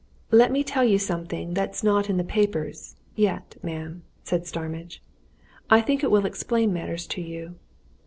"Let me tell you something that is not in the papers yet ma'am," said Starmidge. "I think it will explain matters to you.